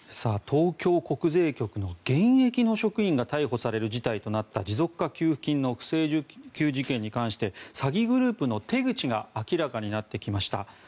東京国税局の現役の職員が逮捕される事態となった持続化給付金の不正受給事件に関して詐欺グループの手口が明らかになってきました。